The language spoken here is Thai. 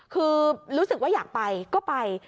คือรู้สึกว่าอยากไปก็ไป